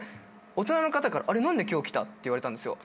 大人の方から「あれ？何で今日来た？」って言われたんですよ。